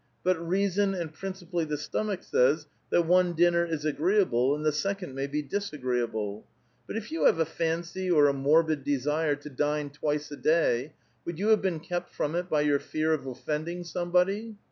JBut reason, and principally the stomach, says, that one din ner is agreeable and the second may be disagreeable. But if you have a fancy or a morbid desire to dine twice a day, ^virould you have been kept from it by your fear of otfending somebody?